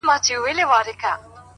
جانان ته تر منزله رسېدل خو تکل غواړي-